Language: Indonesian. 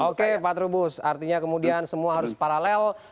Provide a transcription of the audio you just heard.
oke pak trubus artinya kemudian semua harus paralel